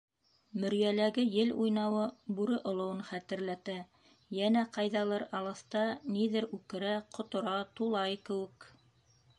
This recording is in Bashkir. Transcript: Мөрйәләге ел уйнауы бүре олоуын хәтерләтә, йәнә ҡайҙалыр алыҫта ниҙер үкерә, ҡотора, тулай кеүек...